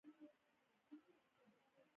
د کور له برنډې څخه مې عکسونه واخیستل.